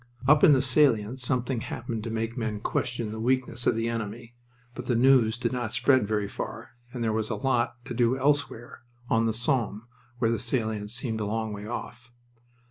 Up in the salient something happened to make men question the weakness of the enemy, but the news did not spread very far and there was a lot to do elsewhere, on the Somme, where the salient seemed a long way off.